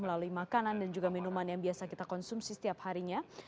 melalui makanan dan juga minuman yang biasa kita konsumsi setiap harinya